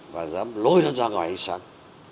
và dám lôi nó ra ngoài sáng